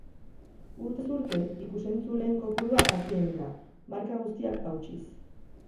Urtez urte, ikus-entzuleen kopurua hazi egin da, marka guztiak hautsiz.